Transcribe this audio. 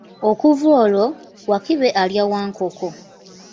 Okuva olwo, Wakibe alya Wankoko.